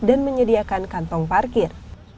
dan menyediakan kantoran